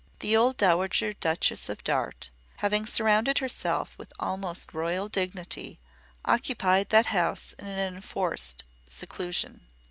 The old Dowager Duchess of Darte, having surrounded herself with almost royal dignity, occupied that house in an enforced seclusion.